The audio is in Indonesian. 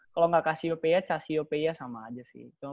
kalau nggak kasiopeia casiopeia sama aja sih